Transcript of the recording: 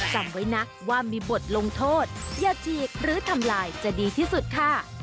จำไว้นะว่ามีบทลงโทษอย่าฉีกหรือทำลายจะดีที่สุดค่ะ